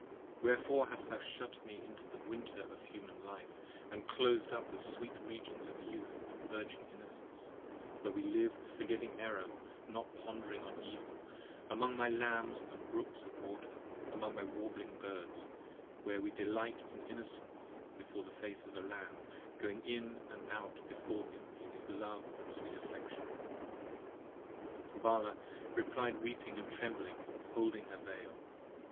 5 Wherefore hast thou shut me into the winter of human life, And clos'd up the sweet regions of youth and virgin innocence, Where we live, forgetting error, not pondering on evil, Among my lambs & brooks of water, among my warbling birds: Where we delight in innocence before the face of the Lamb, 10 Going in and out before him in his love and sweet affection. Vala replied weeping & trembling, hiding in her veil.